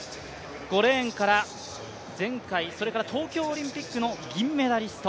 ５レーンから前回、それから東京オリンピックの銀メダリスト